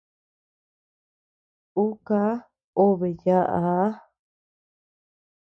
Ú ká obe yaʼaa.